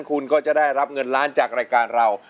คุณก็จะได้รับเงินล้านจากรายการเรา